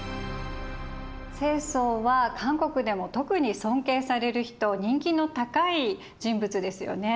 世宗は韓国でも特に尊敬される人人気の高い人物ですよね。